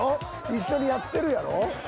一緒にやってるやろ。